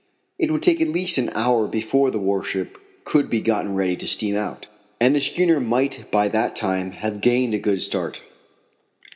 It would take at least an hour before the warship could be got ready to steam out, and the schooner might by that time have gained a good start.